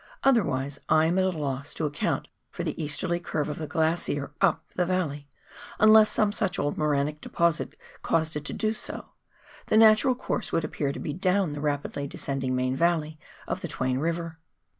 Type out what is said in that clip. Otherwise I am at a loss to account for the easterly curve of the glacier up the valley, unless some such old morainic deposit caused it to do so ; the natural course would appear to be down the rapidly descending main valley of the Twain River.